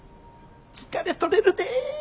疲れ取れるで。